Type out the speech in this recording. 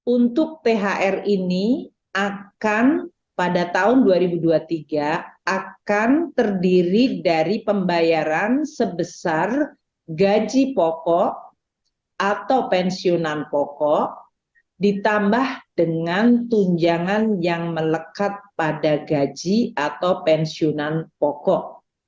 untuk thr ini akan pada tahun dua ribu dua puluh tiga akan terdiri dari pembayaran sebesar gaji pokok atau pensiunan pokok ditambah dengan tujangan yang melekat pada gaji atau pensiunan pokok